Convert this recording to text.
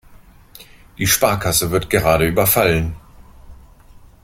Die Sparkasse wird gerade überfallen.